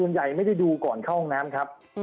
ส่วนใหญ่จะไม่ได้ดูก่อนเข้าห้องน้ำครับ